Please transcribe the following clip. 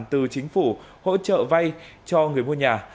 từ chính phủ hỗ trợ vay cho người mua nhà